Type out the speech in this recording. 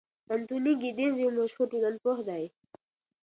انتوني ګیدنز یو مشهور ټولنپوه دی.